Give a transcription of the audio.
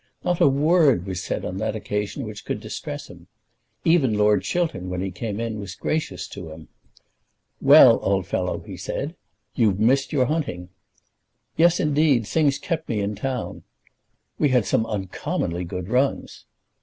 Not a word was said on that occasion which could distress him. Even Lord Chiltern when he came in was gracious to him. "Well, old fellow," he said, "you've missed your hunting." "Yes; indeed. Things kept me in town." "We had some uncommonly good runs."